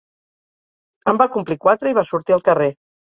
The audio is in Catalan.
En va complir quatre i va sortir al carrer.